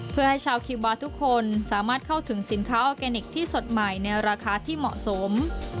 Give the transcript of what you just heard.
เพื่อให้ชาวคิวบาร์ทุกคนสามารถเข้าถึงสินค้าออร์แกนิคที่สดใหม่ในราคาที่เหมาะสม